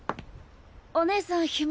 「お姉さん暇？